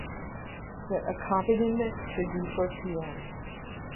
The accompaniment should be for piano.